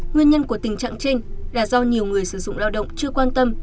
nguyên nhân của tình trạng trên là do nhiều người sử dụng lao động chưa quan tâm